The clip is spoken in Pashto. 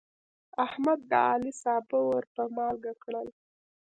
احمد د علي سابه ور په مالګه کړل.